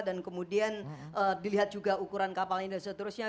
dan kemudian dilihat juga ukuran kapalnya dan seterusnya